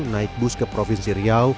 naik bus ke provinsi riau